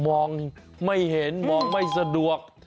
มองไม่เห็นมองไม่สะดวก